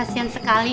aku tidak mau